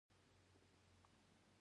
احمد له علي څخه د خپل ورور غچ واخیست.